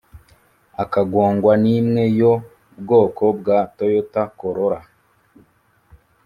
akagongwa n’imwe yo bwoko bwa Toyota Corolla